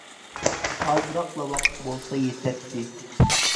ئازراقلا ۋاقىت بولسا يېتەتتى.